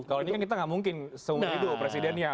kalau ini kan kita nggak mungkin seumur hidup presidennya